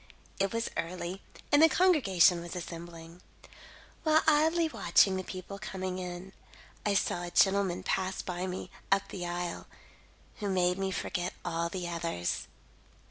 It was early and the congregation was assembling. While idly watching the people coming in, I saw a gentleman pass by me up the aisle, who made me forget all the others.